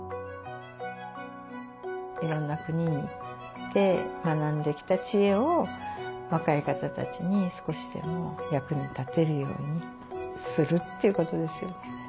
いろんな国に行って学んできた知恵を若い方たちに少しでも役に立てるようにするっていうことですよね。